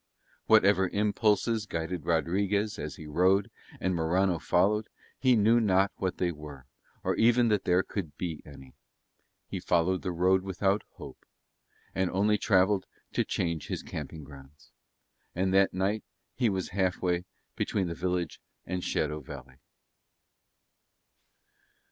Whatever impulses guided Rodriguez as he rode and Morano followed, he knew not what they were or even that there could be any. He followed the road without hope and only travelled to change his camping grounds. And that night he was half way between the village and Shadow Valley.